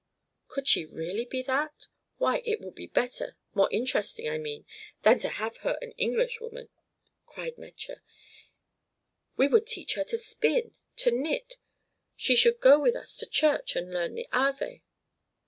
"Could she really be that? Why, it would be better more interesting, I mean than to have her an Englishwoman," cried Metje. "We would teach her to spin, to knit. She should go with us to church and learn the Ave.